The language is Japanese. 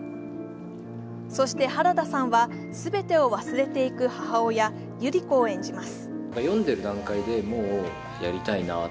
そして原田さんは、全てを忘れていく母親・百合子を演じます。